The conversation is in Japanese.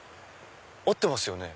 合ってますよね？